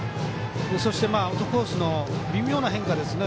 そして、アウトコースの微妙な変化ですね。